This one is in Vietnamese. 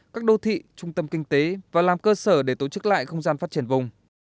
các đô thị trung tâm kinh tế và làm cơ sở để tổ chức lại không gian phát triển vùng